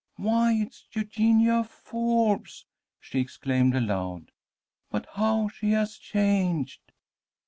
"Why, it is Eugenia Forbes!" she exclaimed aloud. "But how she has changed!"